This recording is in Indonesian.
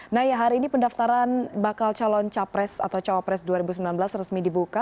naya hari ini pendaftaran bakal calon capres atau cawapres dua ribu sembilan belas resmi dibuka